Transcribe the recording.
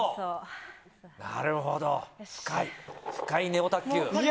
なるほど、深いネオ卓球。